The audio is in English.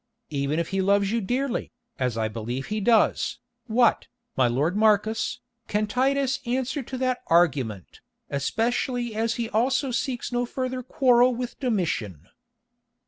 Even if he loves you dearly, as I believe he does, what, my lord Marcus, can Titus answer to that argument, especially as he also seeks no further quarrel with Domitian?"